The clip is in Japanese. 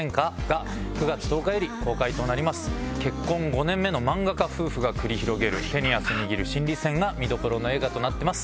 結婚５年目の漫画家夫婦が繰り広げる手に汗握る心理戦が見どころの映画となってます。